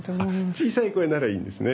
小さい声ならいいんですね。